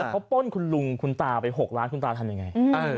เขาป้นคุณลุงคุณตาไป๖ล้านคุณตาทำยังไง